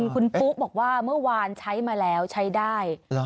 คุณปุ๊บอกว่าเมื่อวานใช้มาแล้วใช้ได้